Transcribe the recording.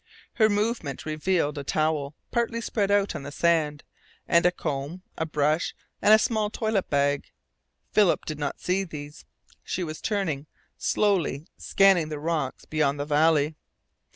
Her movement revealed a towel partly spread out on the sand, and a comb, a brush, and a small toilet bag. Philip did not see these. She was turning, slowly, scanning the rocks beyond the valley.